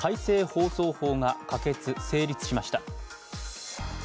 放送法が可決・成立しました。